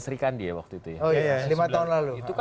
serikandi ya waktu itu ya oh iya lima tahun lalu